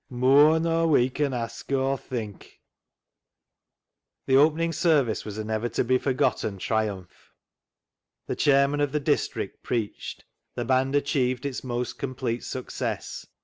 * Mooar nor we can ask or think.' " "THE ZEAL OF THINE HOUSE" 361 The opening service was a never to be forgotten triumph. The Chairman of the District preached. The band achieved its most complete success.